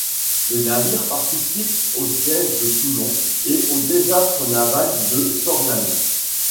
Le navire participe au siège de Toulon et au désastre naval de Sorlingues.